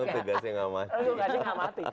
terima kasih ngamati